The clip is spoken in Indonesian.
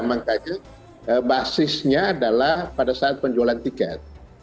makanya basisnya adalah pada saat penjualan tiket